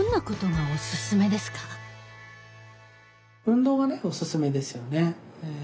運動がねおすすめですよね。